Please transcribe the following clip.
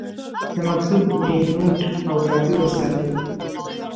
د مکتوب مینوټ او کاپي وساتئ.